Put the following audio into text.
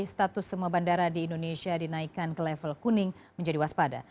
status semua bandara di indonesia dinaikkan ke level kuning menjadi waspada